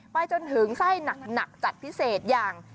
ไปจนถึงไส้หนักจัดพิเศษอย่าง